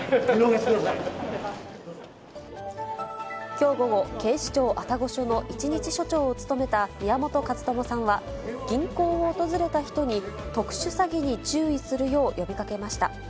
きょう午後、警視庁愛宕署の一日署長を務めた宮本和知さんは、銀行を訪れた人に、特殊詐欺に注意するよう呼びかけました。